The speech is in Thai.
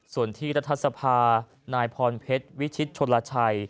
ส่วนที่รัฐสภานายพรเพชรวิชิตชนลชัย